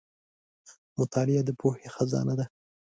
• مطالعه د پوهې خزانه ده.